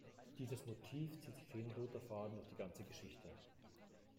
Dieses Motiv zieht sich wie ein roter Faden durch die ganze Geschichte.